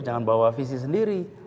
jangan bawa visi sendiri